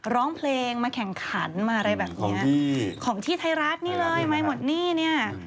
ร้องเพลงมาแข่งขันมาอะไรแบบนี้ของที่ไทยรัฐนี่เลยมาหมดหนี้เนี่ย